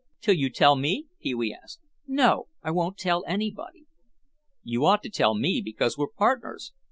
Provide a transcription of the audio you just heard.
"Will you tell me?" Pee wee asked. "No, I wouldn't tell anybody." "You ought to tell me because we're partners."